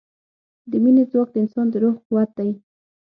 د مینې ځواک د انسان د روح قوت دی.